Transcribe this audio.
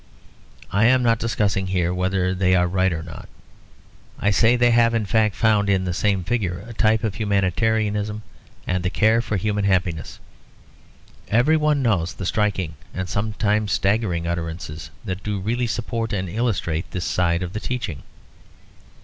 I am not discussing here whether they are right or not; I say they have in fact found in the same figure a type of humanitarianism and the care for human happiness. Every one knows the striking and sometimes staggering utterances that do really support and illustrate this side of the teaching.